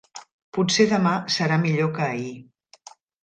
Potser demà serà millor que ahir.